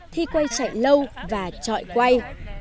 thi quay chạy lâu và trọi quay